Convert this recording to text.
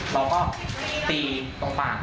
เราก็ตีตรงฝั่ง